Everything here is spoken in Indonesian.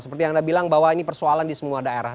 seperti yang anda bilang bahwa ini persoalan di semua daerah